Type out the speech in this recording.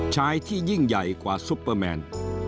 ชายที่ยิ่งใหญ่กว่าซุปเปอร์แมน